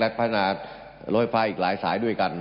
ระเบิดไฟอีกหลายสายด้วยกัน